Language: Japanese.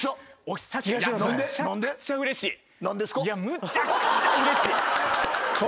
むちゃくちゃうれしい。